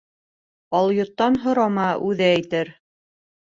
Алйоттан һорама, үҙе әйтер.